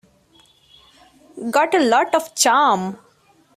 Got a lot of charm.